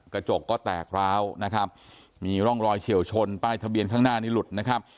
กระจกก็แตกร้าวนะครับมีร่องรอยเฉียวชนป้ายทะเบียนข้างหน้านี้หลุดนะครับ